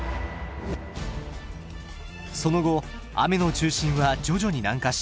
その後雨の中心は徐々に南下し